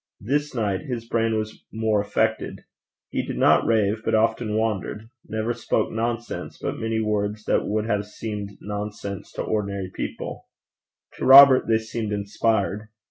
This night his brain was more affected. He did not rave, but often wandered; never spoke nonsense, but many words that would have seemed nonsense to ordinary people: to Robert they seemed inspired.